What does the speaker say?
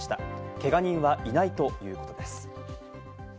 けが人はいないということです。